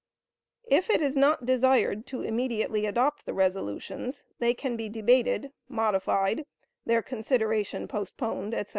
If it is not desired to immediately adopt the resolutions, they can be debated, modified, their consideration postponed, etc.